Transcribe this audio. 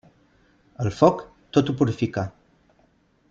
El foc, tot ho purifica.